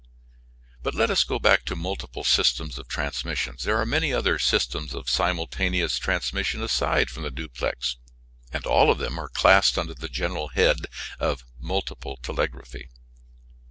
But let us go back to multiple systems of transmission. There are many other systems of simultaneous transmission aside from the duplex, and all of them are classed under the general head of multiple telegraphy.